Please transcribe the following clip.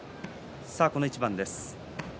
さて、この一番です。